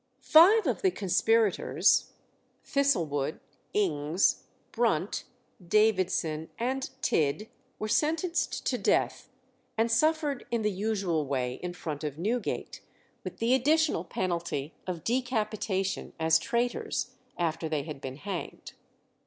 Five of the conspirators, Thistlewood, Ings, Brunt, Davidson, and Tidd, were sentenced to death, and suffered in the usual way in front of Newgate, with the additional penalty of decapitation, as traitors, after they had been hanged.